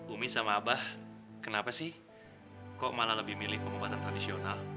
umi sama abah kenapa sih kok malah lebih milih pengobatan tradisional